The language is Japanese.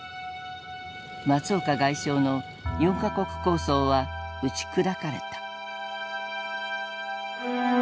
松岡外相の４か国構想は打ち砕かれた。